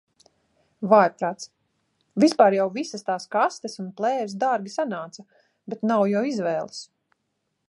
Vājprāts. Vispār jau visas tās kastes un plēves dārgi sanāca, bet nav jau izvēles.